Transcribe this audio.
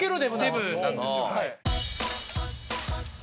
デブなんですよ。